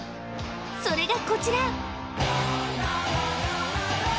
それがこちら！